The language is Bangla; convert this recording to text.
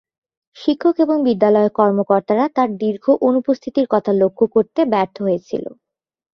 শিক্ষক এবং বিদ্যালয়ের কর্মকর্তারা তার দীর্ঘ অনুপস্থিতির কথা লক্ষ্য করতে ব্যর্থ হয়েছিল।